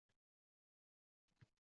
Yo osti, yoinki usti kon chiqar.